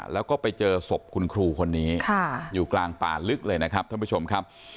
แล้วก็ไปเจอศพคุณครูคนนี้อยู่กลางป่าลึกเลยนะครับท่านผู้ชมครับ